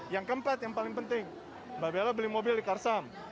yang keempat yang paling penting mbak bella beli mobil di karsam